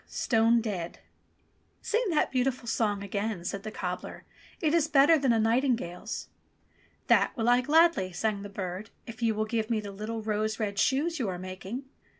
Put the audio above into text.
Stone dead !" "Sing that beautiful song again," said the cobbler. "It is better than a nightingale's." "That will I gladly," sang the bird, "if you will give me the little rose red shoes you are making."